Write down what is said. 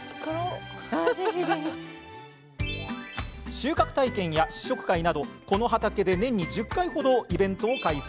収穫体験や試食会などこの畑で年に１０回程イベントを開催。